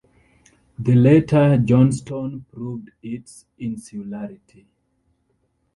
The latter, Johnstone, proved its insularity.